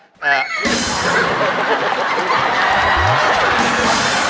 โอเคนะเอ่อ